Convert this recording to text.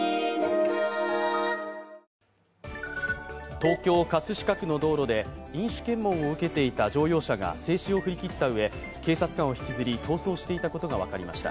東京・葛飾区の道路で飲酒検問を受けていた乗用車が制止を振り切ったうえ警察官を引きずり逃走していたことが分かりました。